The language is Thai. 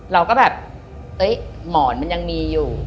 เราก็แบบหมอนมันยังมีอยู่